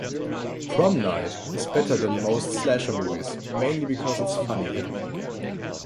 "Prom Night" is better than most slasher movies, mainly because it's funnier.